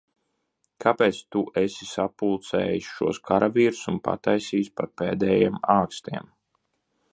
Kāpēc tu esi sapulcējis šos karavīrus un pataisījis par pēdējiem ākstiem?